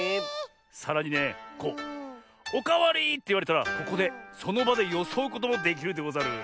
さらにねこう「おかわり！」っていわれたらここでそのばでよそうこともできるでござる。